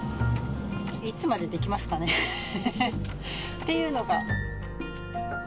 いつまでできますかねっていうのが。